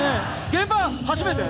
現場初めて？